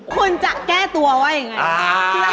คุณจะแก้ตัวว่าอย่างเงี้ย